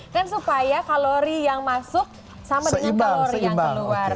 kan supaya kalori yang masuk sama dengan kalori yang keluar